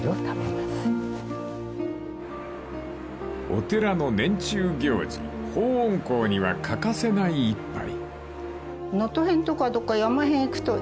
［お寺の年中行事報恩講には欠かせない一杯］